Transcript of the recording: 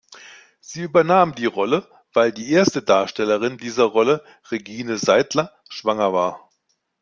Sie übernahm die Rolle, weil die erste Darstellerin dieser Rolle, Regine Seidler, schwanger war.